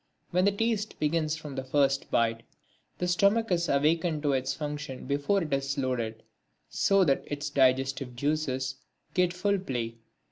When the taste begins from the first bite, the stomach is awakened to its function before it is loaded, so that its digestive juices get full play.